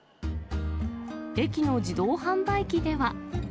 駅の自動販売機では。